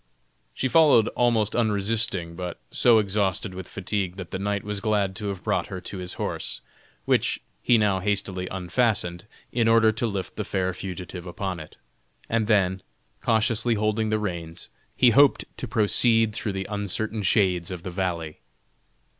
She followed almost unresisting, but so exhausted with fatigue that the knight was glad to have brought her to his horse, which he now hastily unfastened, in order to lift the fair fugitive upon it; and then, cautiously holding the reins, he hoped to proceed through the uncertain shades of the valley.